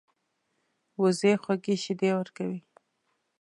وزې خوږې شیدې ورکوي